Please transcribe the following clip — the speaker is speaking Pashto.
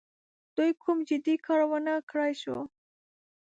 دوی کوم جدي کار ونه کړای سو.